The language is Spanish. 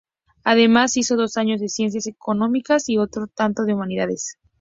Además, hizo dos años de Ciencias Económicas y otro tanto de Humanidades.